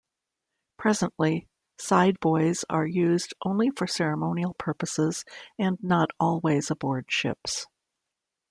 Presently, Sideboys are used only for ceremonial purposes and not always aboard ships.